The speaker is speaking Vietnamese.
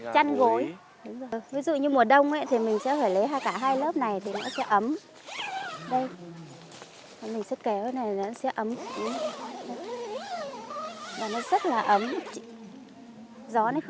chắn mùa đông thì nó không bị lạnh